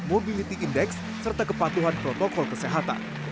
mobility index serta kepatuhan protokol kesehatan